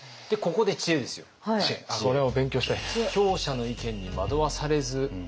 これを勉強したいです。